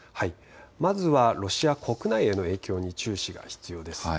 まずはロシア国内への影響に注視が必要です。